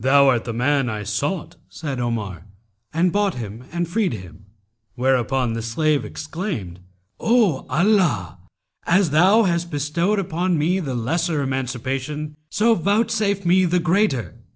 'Thou art the man I sought,' said Omar, and bought him and freed him; whereupon the slave exclaimed, 'O Allah, as thou hast bestowed on me the lesser emancipation; so vouchsafe me the greater!'